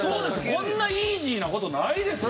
こんなイージーな事ないですよ。